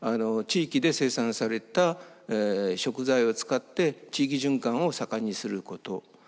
地域で生産された食材を使って地域循環を盛んにすること。